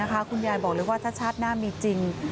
คุณยายบอกเลยว่าชาติชาติหน้าหรือมีจริง